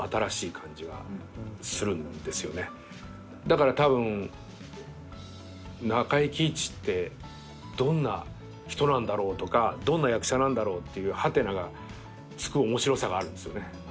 だからたぶん中井貴一ってどんな人なんだろう？とかどんな役者なんだろう？ってハテナが付く面白さがあるんですよね。